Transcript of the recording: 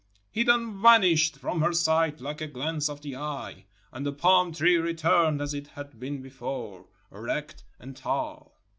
He then vanished from her sight like a glance of the eye; and the palm tree returned as it had been before, erect and tall.